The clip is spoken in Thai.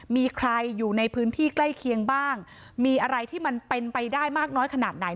มีใครอยู่ในพื้นที่ใกล้เคียงบ้างมีอะไรที่มันเป็นไปได้มากน้อยขนาดไหน